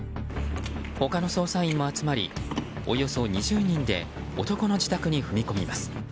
他の捜査員も集まりおよそ２０人で男の自宅に踏み込みます。